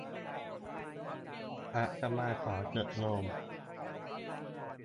อาตมาขอเถอะโยม